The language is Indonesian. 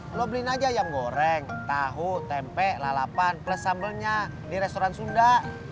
belum beliin aja ayam goreng tahu tempe lalapan plus sambalnya di restoran sunda